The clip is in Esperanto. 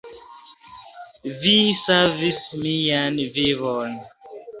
Vi savis mian vivon.